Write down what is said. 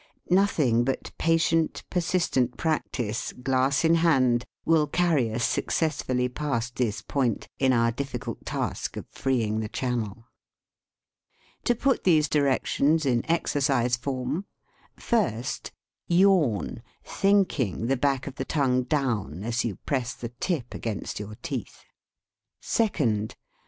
Nothing but patient, persistent practice, glass in hand, will carry us successfully past this point in our difficult task of freeing the channel. To put these directions in exercise form : First. Yawn, thinking, the back of the t0ngue down, as you press the tip against \ jyour teeth. *\/ Second.